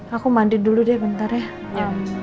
aku mandi dulu deh bentar ya